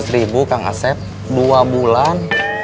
delapan ratus ribu kang aset dua bulan